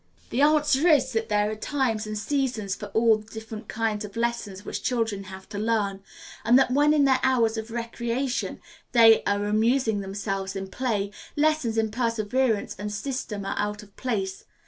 The answer is, that there are times and seasons for all the different kinds of lessons which children have to learn, and that when in their hours of recreation they are amusing themselves in play, lessons in perseverance and system are out of place.